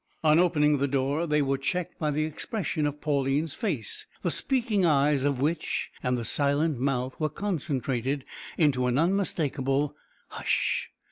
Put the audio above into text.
On opening the door they were checked by the expression of Pauline's face, the speaking eyes of which, and the silent mouth, were concentrated into an unmistakable "hush!"